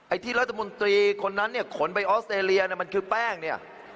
ที่รัฐมนตรีคนนั้นเนี่ยขนไปออสเตรเลียเนี่ยมันคือแป้งเนี่ย